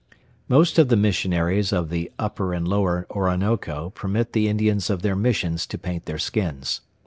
Most of the missionaries of the Upper and Lower Orinoco permit the Indians of their Missions to paint their skins.